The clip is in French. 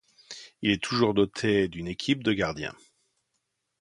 Il est toujours doté d'une équipe de gardien.